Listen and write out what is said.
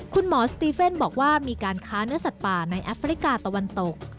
สตีเฟนบอกว่ามีการค้าเนื้อสัตว์ป่าในแอฟริกาตะวันตก